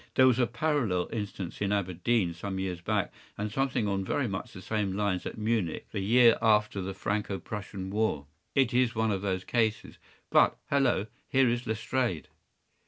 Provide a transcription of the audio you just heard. There was a parallel instance in Aberdeen some years back, and something on very much the same lines at Munich the year after the Franco Prussian war. It is one of these cases—but, hello, here is Lestrade!